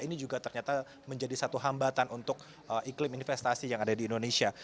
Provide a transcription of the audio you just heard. ini juga ternyata menjadi satu hambatan untuk iklim investasi yang ada di indonesia